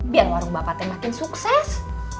biar warung bapakte makin sukses